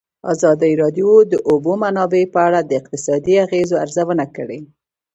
ازادي راډیو د د اوبو منابع په اړه د اقتصادي اغېزو ارزونه کړې.